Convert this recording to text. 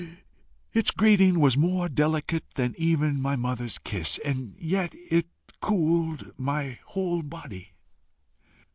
Its greeting was more delicate than even my mother's kiss, and yet it cooled my whole body.